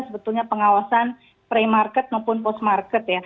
sebetulnya pengawasan pre market maupun post market ya